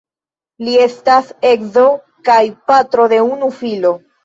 Li estas edzo kaj patro de unu filo.